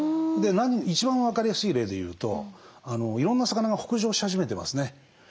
一番分かりやすい例で言うといろんな魚が北上し始めてますね。